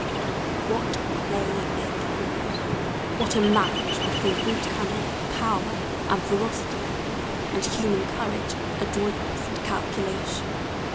What play it was! what a match between brute cunning, power, and ferocity, and human courage, adroitness, and calculation!